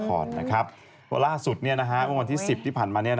เพราะล่าสุดว่างวันที่๑๐ที่ผ่านมานี้